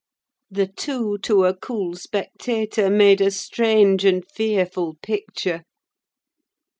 The two, to a cool spectator, made a strange and fearful picture.